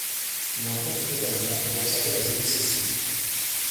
Il en profite également pour observer la jolie Cécile.